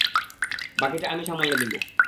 বাকিটা আমি সামলে নিব।